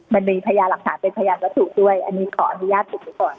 มันมีพยาหลักฐานเป็นพยานวัตถุด้วยอันนี้ขออนุญาตถูกไปก่อน